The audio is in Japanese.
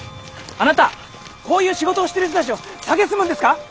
あなたこういう仕事をしている人たちを蔑むんですか？